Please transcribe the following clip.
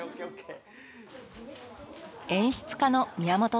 演出家の宮本さん。